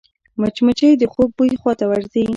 مچمچۍ د خوږ بوی خواته ورځي